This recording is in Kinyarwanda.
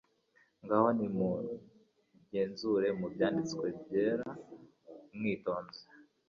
Ngaho nimugenzure mu Byanditswe byera mwitonze